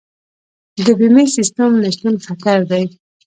د بیمې سیستم نشتون خطر دی.